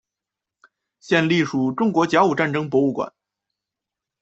现隶属中国甲午战争博物馆。